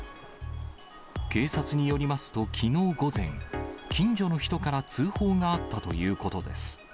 警察によりますときのう午前、近所の人から通報があったということです。